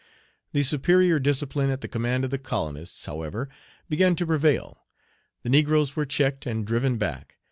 The superior discipline at the command of the colonists, however, began to prevail. The negroes were checked and driven back.